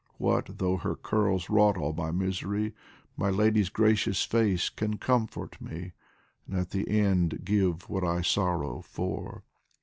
What though her curls wrought all my misery, My lady's gracious face can comfort me, And at the end give what I sorrow for.